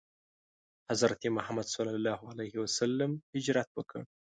حضرت محمد ﷺ هجرت وکړ.